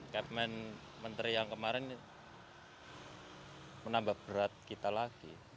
kepment menteri yang kemarin menambah berat kita lagi